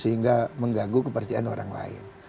sehingga mengganggu kepercayaan orang lain